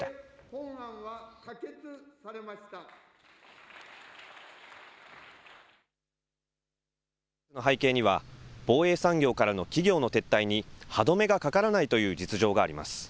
今回の法律の背景には防衛産業からの企業の撤退に歯止めがかからないという実情があります。